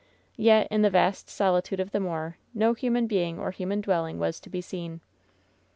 Yet in the vast solitude of the moor no human being or human dwelling was to be seen.